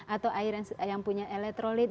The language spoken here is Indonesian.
atau air yang punya elektrolit